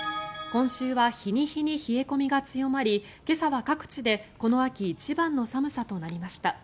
今週は日に日に冷え込みが強まり今朝は各地でこの秋一番の寒さとなりました。